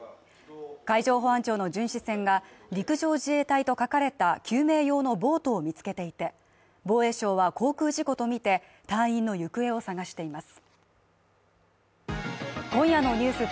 海上保安庁の巡視船が陸上自衛隊と書かれた救命用のボートを見つけていて防衛省は航空事故とみて、隊員の行方を捜しています。